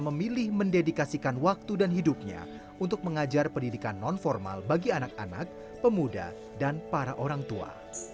memilih mendedikasikan waktu dan hidupnya untuk mengajar pendidikan non formal bagi anak anak pemuda dan para orang tua